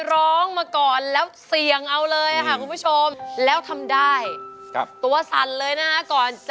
ร้องได้ให้ด้าน